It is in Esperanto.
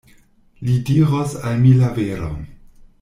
Li diros al mi la veron.